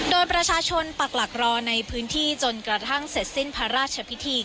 โดยประชาชนปักหลักรอในพื้นที่จนกระทั่งเสร็จสิ้นพระราชพิธี